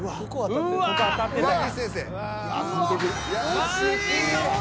惜しい！